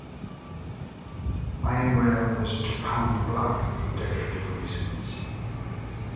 Ironware was japanned black, for decorative reasons.